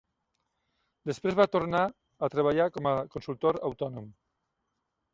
Després va tornar a treballar com a consultor autònom.